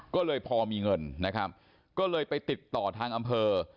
ก็เลยพอมีเงินนะครับก็เลยไปติดต่อทางอำเภอ